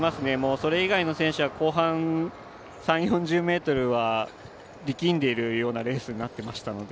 それ以外の選手は後半３０４０ｍは力んでいるようなレースになっていましたので。